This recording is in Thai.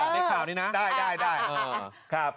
ในข่าวนี้นะ